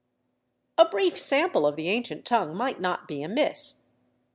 A brief sample of the ancient tongue might not be amiss.